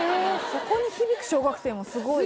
そこに響く小学生もすごいすごい！